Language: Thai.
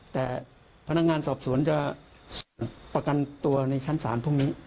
แต่พนักงานสอบสวนจะประกันตัวในชั้นศาลพรุ่งนี้